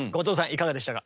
いかがでしたか？